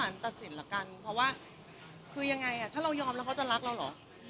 ถ้าให้สารตัดสินละกันพอว่าคือยังไงถ้ายอมแล้วเขาจะรักเราเหรอ